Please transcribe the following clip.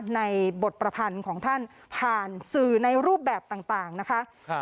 ในบทประพันธ์ของท่านผ่านสื่อในรูปแบบต่างนะคะ